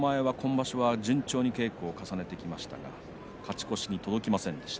前は順調に稽古を重ねてきましたが勝ち越しに届きませんでした。